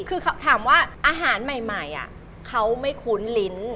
คือถามว่าอาหารใหม่เขาไม่คุ้นลิ้น